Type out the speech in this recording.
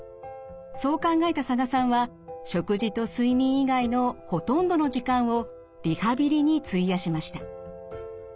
そう考えた佐賀さんは食事と睡眠以外のほとんどの時間をリハビリに費やしました。